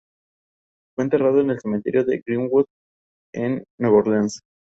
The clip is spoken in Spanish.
El clima predominante es seco semicálido.